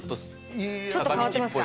ちょっと変わってますか？